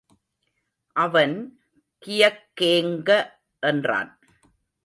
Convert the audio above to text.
அவன்— கியக்கேங்க என்றான்.